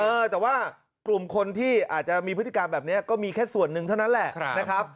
เออแต่ว่ากลุ่มคนที่อาจจะมีพฤติกรรมแบบนี้ก็มีแค่ส่วนหนึ่งเท่านั้นแหละนะครับ